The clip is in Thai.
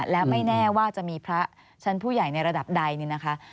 และไม่แน่ว่าจะมีพระชั้นผู้ใหญ่ในระดับใดเนี่ยนะคะ